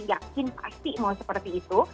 yakin pasti mau seperti itu